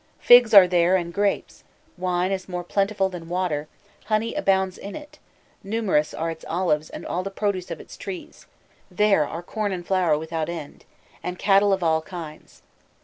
Figs are there and grapes; wine is more plentiful than water; honey abounds in it; numerous are its olives and all the produce of its trees; there are corn and flour without end, and cattle of all kinds.